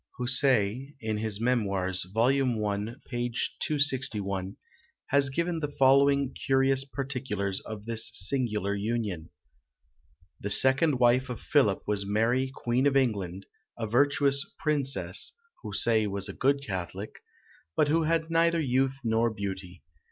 Houssaie, in his Mémoires, vol. i. p. 261, has given the following curious particulars of this singular union: "The second wife of Philip was Mary Queen of England; a virtuous princess (Houssaie was a good catholic), but who had neither youth nor beauty.